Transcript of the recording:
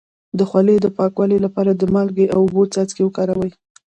د خولې د پاکوالي لپاره د مالګې او اوبو څاڅکي وکاروئ